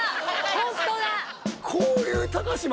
ホントだ！